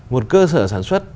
một cơ sở sản xuất